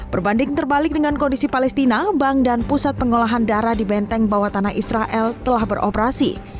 berbanding terbalik dengan kondisi palestina bank dan pusat pengolahan darah di benteng bawah tanah israel telah beroperasi